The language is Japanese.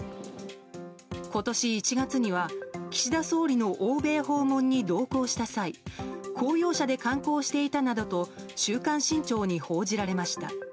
今年１月には岸田総理の欧米訪問に同行した際公用車で観光していたなどと「週刊新潮」に報じられました。